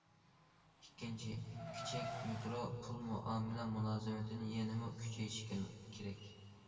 ئىككىنچى، كىچىك، مىكرو پۇل مۇئامىلە مۇلازىمىتىنى يەنىمۇ كۈچەيتىش كېرەك.